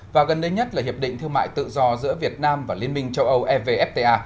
và gần đây nhất là hiệp định thương mại tự do giữa việt nam và liên minh châu âu evfta